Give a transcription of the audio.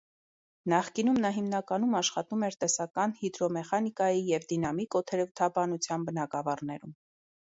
Նախկինում նա հիմնականում աշխատում էր տեսական հիդրոմեխանիկայի և դինամիկ օդերևութաբանության բնագավառներում։